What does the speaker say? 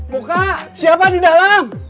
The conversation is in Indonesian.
moka siapa di dalam